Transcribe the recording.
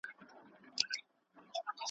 وايي ګناه ده فعل د کفار دی ,